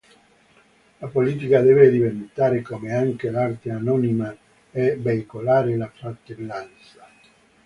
La politica deve diventare, come anche l'arte, anonima, e veicolare la fratellanza.